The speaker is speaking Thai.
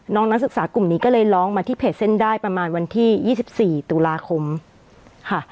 นักศึกษากลุ่มนี้ก็เลยร้องมาที่เพจเส้นได้ประมาณวันที่๒๔ตุลาคมค่ะ